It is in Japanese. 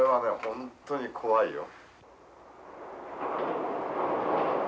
本当に怖いよ。